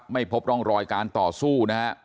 ไม่พบร่องรอยการต่อสู้นะฮะ